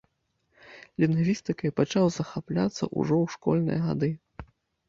Лінгвістыкай пачаў захапляцца ўжо ў школьныя гады.